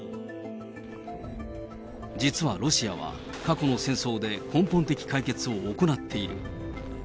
実はロシアは、過去の戦争で根本的解決を行っている。